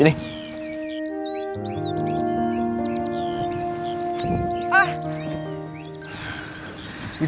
oh lu bangga dek